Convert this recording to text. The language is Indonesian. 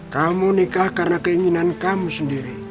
kamu nikah karena keinginan kamu sendiri